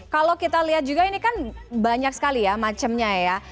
kalau kita lihat juga ini kan banyak sekali ya macamnya ya